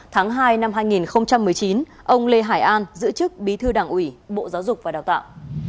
tháng hai năm hai nghìn một mươi chín ông lê hải an giữ chức bí thư đảng ủy bộ giáo dục và đào tạo